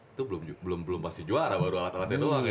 itu belum masih juara baru alat alatnya doang ya